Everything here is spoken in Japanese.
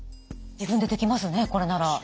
自分でできますねこれなら。